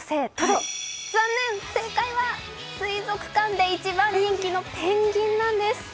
残念、正解は水族館で１番人気のペンギンなんです。